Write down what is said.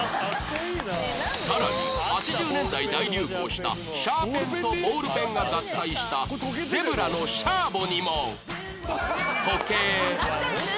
さらに８０年代大流行したシャーペンとボールペンが合体したゼブラのシャーボにも時計